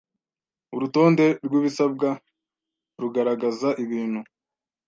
urutonde rw ibisabwa rugaragaza ibintu